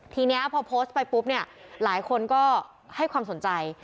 ทีนี้พอโพสต์ไปปุ๊บเนี่ยหลายคนก็ให้ความสนใจ